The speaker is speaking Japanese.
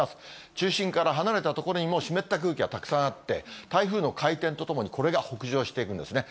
中心から離れた所にも湿った空気がたくさんあって、台風の回転とともにこれが北上していくんですね。